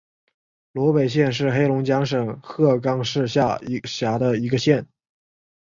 萝北县是黑龙江省鹤岗市下辖的一个县。